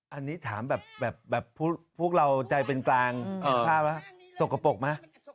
อันนี้ถามแบบพวกเราใจเป็นกลางภาพว่าสกปรกไหม